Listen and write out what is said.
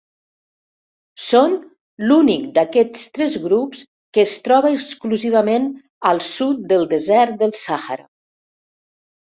Són l'únic d'aquests tres grups que es troba exclusivament al sud del desert del Sàhara.